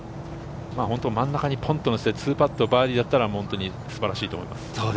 真ん中にのせて、２パット、バーディーだったら素晴らしいと思います。